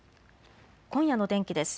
今夜の天気です。